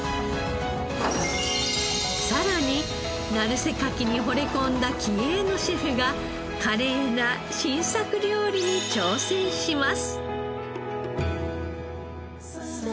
さらに鳴瀬かきにほれ込んだ気鋭のシェフが華麗な新作料理に挑戦します。